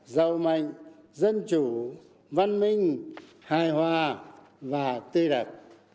giàu mạnh dân chủ văn minh hài hòa và tư đặc